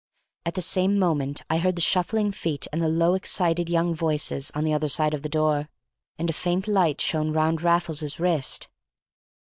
At the same moment I heard the shuffling feet and the low, excited young voices on the other side of the door, and a faint light shone round Raffles's wrist.